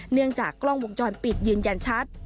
เนื่องจากกล้องวงจรปิดยืนยันชัด